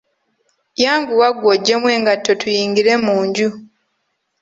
Yanguwa gwe oggyemu engato tuyingire mu nju.